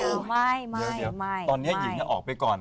เดี๋ยวเดี๋ยวตอนนี้หญิงจะออกไปก่อน